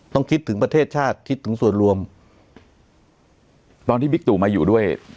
คิดถึงประเทศชาติคิดถึงส่วนรวมตอนที่บิ๊กตู่มาอยู่ด้วย